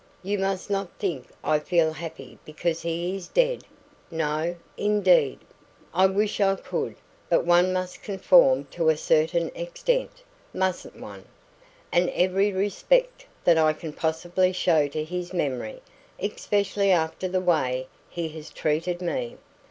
You must not think I feel happy because he is dead no, indeed; I wish I could! But one must conform to a certain extent, mustn't one? And every respect that I can possibly show to his memory especially after the way he has treated me!